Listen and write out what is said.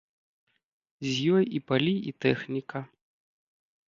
З ёй і палі, і тэхніка.